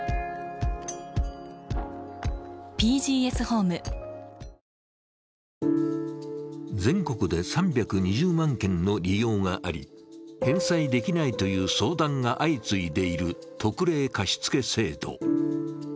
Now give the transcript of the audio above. そこで語られた制度の欠陥とは全国で３２０万件の利用があり返済できないという相談が相次いでいる特例貸付制度。